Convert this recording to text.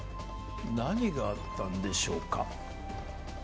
何があったんでしょうか？